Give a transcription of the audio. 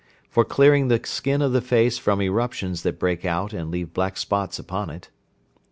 For clearing the skin of the face from eruptions that break out and leave black spots upon it.